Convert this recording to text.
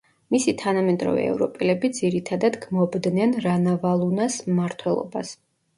მისი თანამედროვე ევროპელები ძირითადად გმობდნენ რანავალუნას მმართველობას.